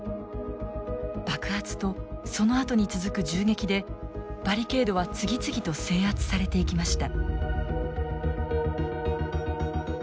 爆発とそのあとに続く銃撃でバリケードは次々と制圧されていきました。